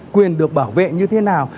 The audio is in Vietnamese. quyền được bảo vệ như thế nào